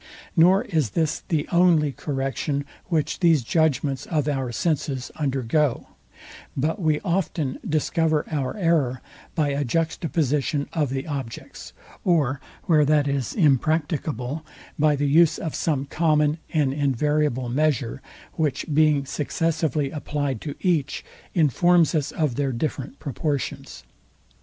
Nor is this the only correction, which these judgments of our senses undergo; but we often discover our error by a juxtaposition of the objects; or where that is impracticable, by the use of some common and invariable measure, which being successively applied to each, informs us of their different proportions.